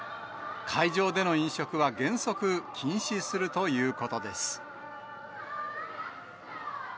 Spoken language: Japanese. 会場での飲食は原則禁止するということです。